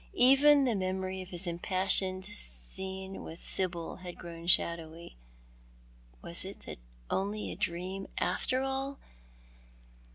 Even the memory of his impassioned scene with Sibyl had grown shadowy. Was it only a dream, after all